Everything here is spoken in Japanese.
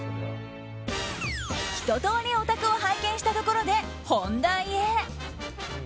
ひと通りお宅を拝見したところで本題へ。